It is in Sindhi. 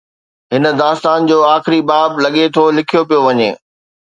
هن داستان جو آخري باب، لڳي ٿو، لکيو پيو وڃي.